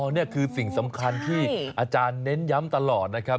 นี่คือสิ่งสำคัญที่อาจารย์เน้นย้ำตลอดนะครับ